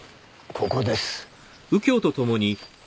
ここです。